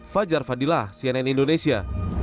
fajar fadillah cnn indonesia